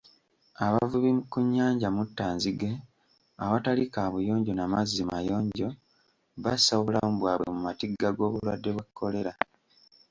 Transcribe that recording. Abavubi ku nnyanja Muttanzige awatali kaabuyonjo na mazzi mayonjo bassa obulamu bwabwe mu matigga g'obulwadde bwa Kolera.